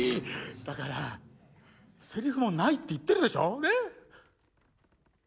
だからセリフもないって言ってるでしょ。ね？